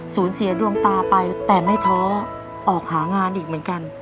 เสียดวงตาไปแต่ไม่ท้อออกหางานอีกเหมือนกัน